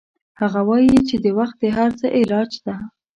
هغه وایي چې وخت د هر څه علاج ده